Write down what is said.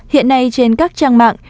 hiện nay trên các trang mạng